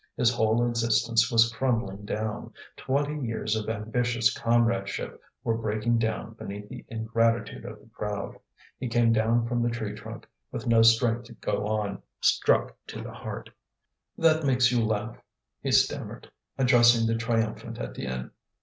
His whole existence was crumbling down; twenty years of ambitious comradeship were breaking down beneath the ingratitude of the crowd. He came down from the tree trunk, with no strength to go on, struck to the heart. "That makes you laugh," he stammered, addressing the triumphant Étienne.